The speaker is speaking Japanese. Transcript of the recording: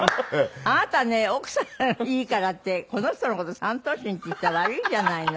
あなたね奥さんいいからってこの人の事３頭身って言ったら悪いじゃないの。